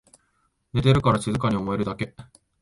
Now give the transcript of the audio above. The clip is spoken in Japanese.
寝てるから静かに思えるだけ